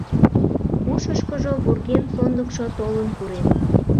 Ушышкыжо вургем сондыкшо толын пурен.